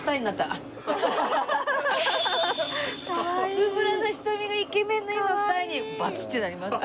つぶらな瞳がイケメンの今二重にバチッてなりました。